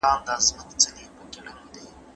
که خوب نه راځي کتاب ولولئ.